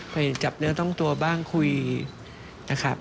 ไปจับเนื้อต้องตัวบ้างคุยนะครับ